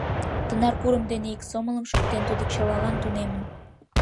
Тынар курым дене ик сомылым шуктен, тудо чылалан тунемын.